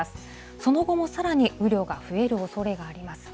その後もさらに雨量が増えるおそれがあります。